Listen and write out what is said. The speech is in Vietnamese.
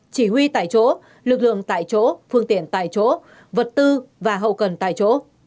chỉ huy tại chỗ lực lượng tại chỗ phương tiện tại chỗ vật tư và hậu cần tại chỗ